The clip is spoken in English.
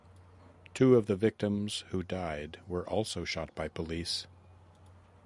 Two of the victims who died were also shot by police.